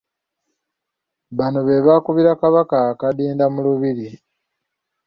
Bano be bakubira Kabaka akadinda mu lubiri.